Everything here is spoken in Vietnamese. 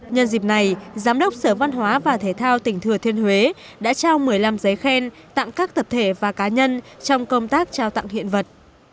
nhân dịp này giám đốc sở văn hóa và thể thao tỉnh thừa thiên huế đã trao một mươi năm giấy khen tặng các tập thể và cá nhân trong công tác trao tặng hiện vật